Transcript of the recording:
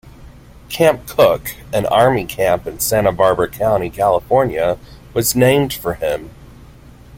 Camp Cooke, an Army camp in Santa Barbara County, California, was named for him.